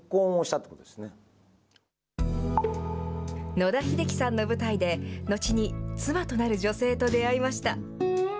野田秀樹さんの舞台でのちに妻となる女性と出会いました。